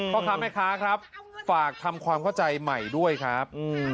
พ่อค้าแม่ค้าครับฝากทำความเข้าใจใหม่ด้วยครับ